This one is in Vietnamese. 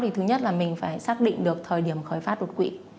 thì thứ nhất là mình phải xác định được thời điểm khởi phát đột quỵ